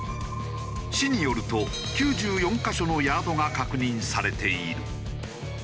市によると９４カ所のヤードが確認されている。